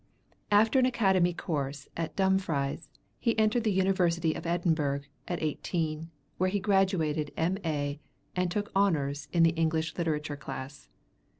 After an academy course at Dumfries he entered the University of Edinburgh at eighteen, where he graduated M.A., and took honors in the English Literature class.